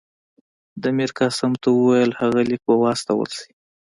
ده میرقاسم ته وویل هغه لیک به واستول شي.